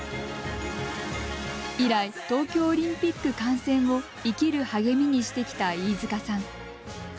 以来、東京オリンピック観戦を生きる励みにしてきた飯塚さん。